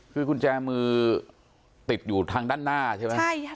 คือกุญแจมือติดอยู่ทางด้านหน้าใช่ไหมใช่ค่ะ